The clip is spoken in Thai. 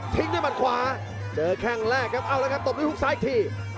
ด้วยมัดขวาเจอแข้งแรกครับเอาละครับตบด้วยฮุกซ้ายอีกที